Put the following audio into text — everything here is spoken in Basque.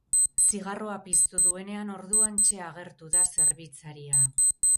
Zigarroa piztu duenean, orduantxe agertu da zerbitzaria.